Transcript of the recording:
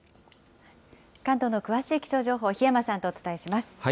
関東の詳しい気象情報、檜山さんとお伝えします。